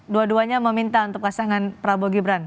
dua duanya meminta untuk kesenangan prabowo gibrang